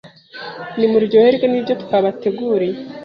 Ni muryoherwe nibyo twabateguriye